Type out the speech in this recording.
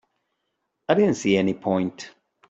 I didn't see any point.